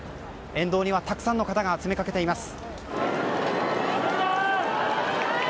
沿道にはたくさんの方が詰めかけています。